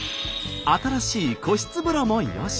新しい個室風呂もよし。